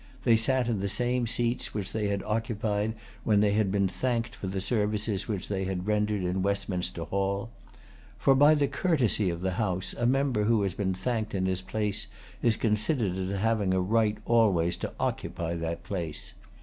They sat in the same seats which they had occupied when they had been thanked for the services which they had rendered in Westminster Hall: for, by the courtesy of the House, a member who has been thanked in his place is considered as having a right always to occupy that place.